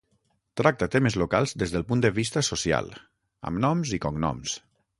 Tracta temes locals des del punt de vista social, amb noms i cognoms.